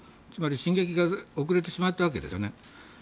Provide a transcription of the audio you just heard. つまり進撃が遅れてしまったわけですよね。